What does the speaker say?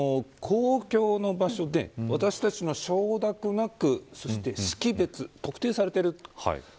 公共の場所で、私たちの承諾なく識別そして特定されている。